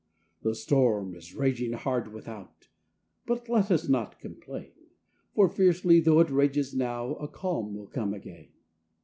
The storm is raging hard, without; But let us not complain, For fiercely tho' it rages now, A calm will come again.